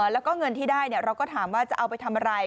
แล้วก็เงินที่ได้เราก็ถามว่าจะเอาไปทำอะไร